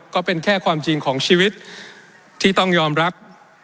ก็เป็นแค่ความจริงของชีวิตที่ต้องยอมรับ